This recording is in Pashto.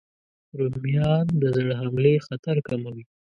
رومیان د زړه حملې خطر کموي